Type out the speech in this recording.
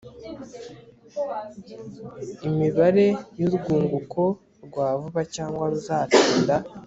imibare y'urwunguko rwa vuba cyangwa ruzatinda